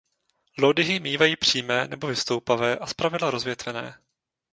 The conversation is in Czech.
Lodyhy mívají přímé nebo vystoupavé a zpravidla rozvětvené.